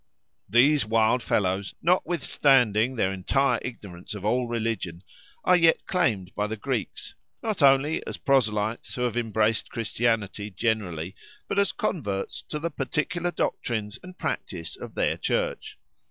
These wild fellows, notwithstanding their entire ignorance of all religion, are yet claimed by the Greeks, not only as proselytes who have embraced Christianity generally, but as converts to the particular doctrines and practice of their Church.